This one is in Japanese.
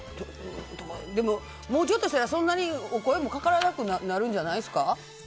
でも、もうちょっとしたらそんなにお声もかからなくなるんじゃないですか。